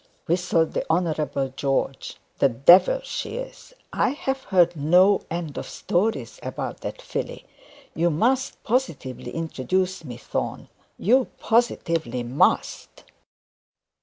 'Whew ew ew!' whistled the Honourable John. 'The devil she is! I have heard no end of stories about that filly. You must positively introduce me, Thorne; you positively must.'